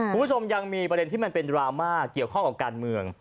คุณผู้ชมยังมีประเด็นที่มันเป็นดราม่าเกี่ยวข้องกับการเมือง